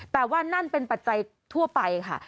แต่ว่านั่นเป็นปัจจัยทั่วไปค่ะ